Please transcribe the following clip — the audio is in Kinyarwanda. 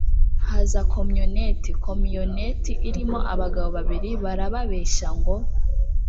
haza kamyoneti camionnette irimo abagabo babiri barababeshya ngo